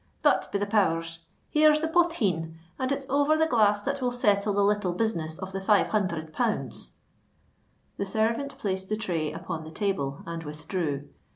"But, be the powers! here's the potheen; and it's over the glass that we'll settle the little business of the five hunthred pounds." The servant placed the tray upon the table, and withdrew.